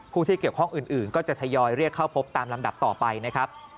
ผู้ที่เกี่ยวข้องอื่นก็จะทยอยเรียกเข้าพบตามลำดับต่อไปนะครับ